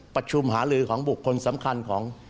ประชุมหาลือของบุคคลสำคัญของ